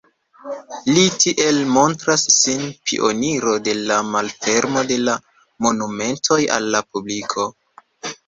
Li tiel montras sin pioniro de la malfermo de la monumentoj al la publiko.